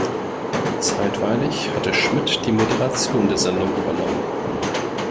Zeitweilig hatte Schmidt die Moderation der Sendung übernommen.